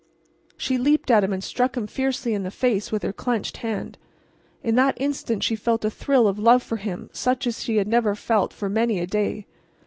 She leaped at him and struck him fiercely in the face with her clenched hand. In that instant she felt a thrill of love for him such as she had not felt for many a day.